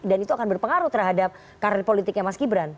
dan itu akan berpengaruh terhadap karir politiknya mas gibran